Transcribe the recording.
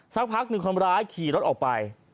สักพักหนึ่งคนร้ายขี่รถออกไป